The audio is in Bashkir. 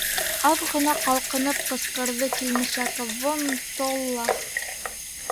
— Аҙ ғына ҡалҡынып ҡысҡырҙы килмешәк Вон-толла.